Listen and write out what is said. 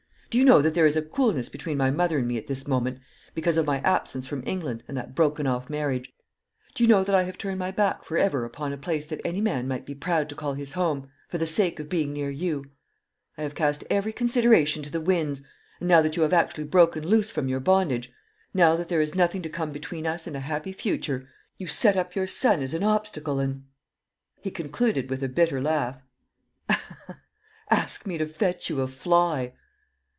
Do you know that there is a coolness between my mother and me at this moment, because of my absence from England and that broken off marriage? Do you know that I have turned my back for ever upon a place that any man might be proud to call his home, for the sake of being near you? I have cast every consideration to the winds; and now that you have actually broken loose from your bondage, now that there is nothing to come between us and a happy future, you set up your son as an obstacle, and" he concluded with a bitter laugh "ask me to fetch you a fly!"